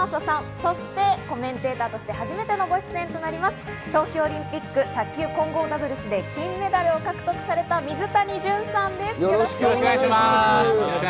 そしてコメンテーターとして初めてのご出演となる東京オリンピック卓球混合ダブルスで金メダお願いします。